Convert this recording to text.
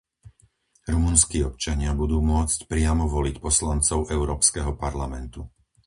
Rumunskí občania budú môcť priamo voliť poslancov Európskeho parlamentu.